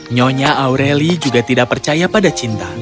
nyonya aureli juga tidak percaya pada cinta